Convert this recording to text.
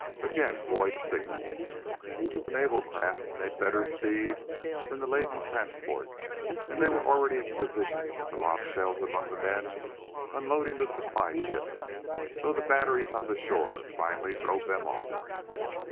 Again Boyd signaled, but the naval craft made better speed than the laden transport and they were already in position to lob shells among the men unloading the supply ships, though the batteries on the shore finally drove them off.